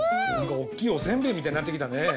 おっきいおせんべいみたいになってきたね。